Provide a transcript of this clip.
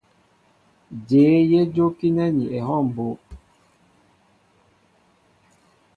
Jéé yé jókínέ ní ehɔw mbó.